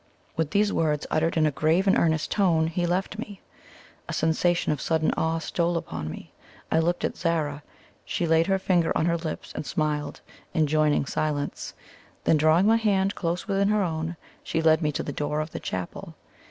With these words, uttered in a grave and earnest tone, he left me. A sensation of sudden awe stole upon me. I looked at Zara. She laid her finger on her lips and smiled, enjoining silence; then drawing my hand close within her own, she led me to the door of the chapel.